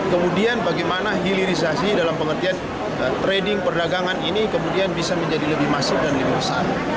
kemudian bagaimana hilirisasi dalam pengertian trading perdagangan ini kemudian bisa menjadi lebih masif dan lebih besar